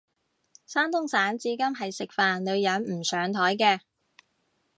山東省至今係食飯女人唔上枱嘅